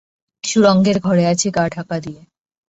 সুড়ঙ্গের ঘরে আছে গা ঢাকা দিয়ে।